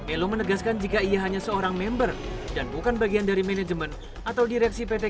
elo menegaskan jika ia hanya seorang member dan bukan bagian dari manajemen atau direksi pt